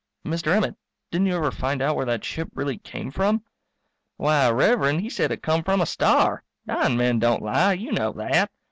Mr. Emmett, didn't you ever find out where that ship really came from?_ Why, Rev'rend, he said it come from a star. Dying men don't lie, you know that.